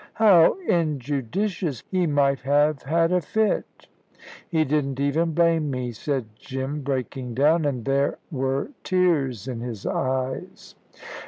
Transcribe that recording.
"How injudicious! He might have had a fit." "He didn't even blame me," said Jim, breaking down, "an' there were tears in his eyes."